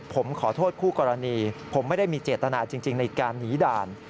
ผมขอโทษคู่กรณีผมไม่ได้มีเจตนาจริงในการหนีด่าน